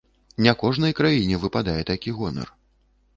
Не кожнай краіне выпадае такі гонар.